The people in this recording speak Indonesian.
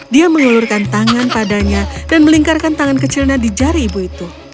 dia mengelurkan tangan padanya dan melingkarkan tangan kecilnya di jari ibu itu